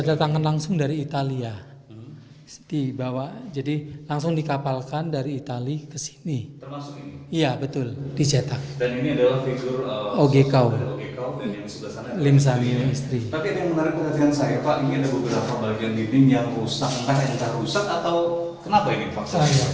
kemungkinan kurs rupiah saat ini nilainya sekitar tiga tiga miliar rupiah